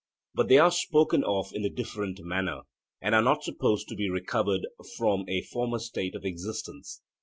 But they are spoken of in a different manner, and are not supposed to be recovered from a former state of existence.